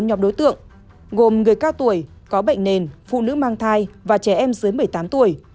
nhóm đối tượng gồm người cao tuổi có bệnh nền phụ nữ mang thai và trẻ em dưới một mươi tám tuổi